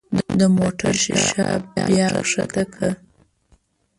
د موټر ښيښه بیا ښکته کړه.